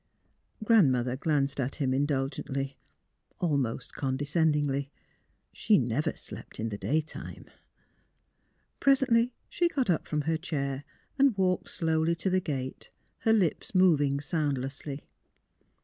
Grandmother glanced at him indulgently, al most condescendingly. She never slept in the day time. Presently, she got up from her chair and walked slowly to the gate, her lips moving soundlessly.